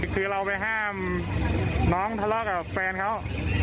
คือเราไปห้ามน้องทะเลาะกับแฟนเขา